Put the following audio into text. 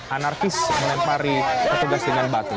anarkis melempari petugas dengan batu